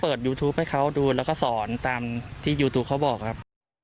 ยูทูปให้เขาดูแล้วก็สอนตามที่ยูทูปเขาบอกครับ